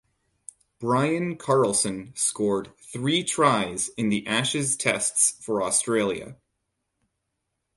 Brian Carlson scored three tries in the Ashes Tests for Australia.